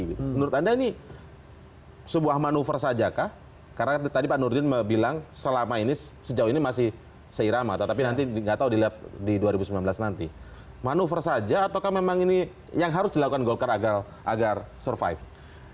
menurut anda ini sebuah manuver saja kah karena tadi pak nurdin bilang selama ini sejauh ini masih seirama tetapi nanti nggak tahu dilihat di dua ribu sembilan belas nanti manuver saja ataukah memang ini yang harus dilakukan golkar agar survive